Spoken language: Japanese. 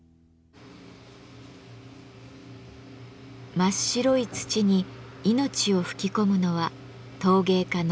真っ白い土に命を吹き込むのは陶芸家の西山正さんです。